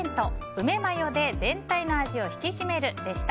梅マヨで全体の味を引きしめるでした。